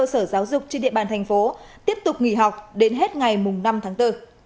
sở giáo dục trên địa bàn thành phố tiếp tục nghỉ học đến hết ngày năm tháng bốn